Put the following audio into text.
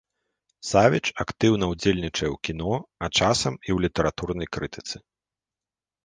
Савіч актыўна ўдзельнічае ў кіно, а часам і ў літаратурнай крытыцы.